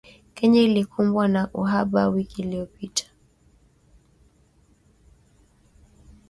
Kenya ilikumbwa na uhaba wiki iliyopita